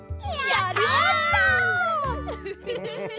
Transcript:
やりました！